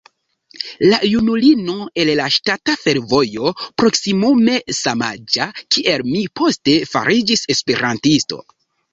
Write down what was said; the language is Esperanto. La junulino el la ŝtata fervojo, proksimume samaĝa kiel mi, poste fariĝis esperantisto.